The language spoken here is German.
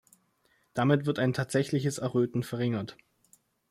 Damit wird ein tatsächliches Erröten verringert.